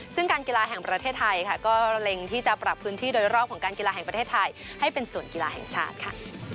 ซึ่งการกีฬาแห่งประเทศไทยค่ะก็เล็งที่จะปรับพื้นที่โดยรอบของการกีฬาแห่งประเทศไทยให้เป็นส่วนกีฬาแห่งชาติค่ะ